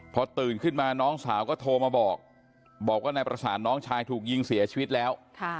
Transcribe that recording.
พอตื่นขึ้นมาน้องสาวก็โทรมาบอกบอกว่านายประสานน้องชายถูกยิงเสียชีวิตแล้ว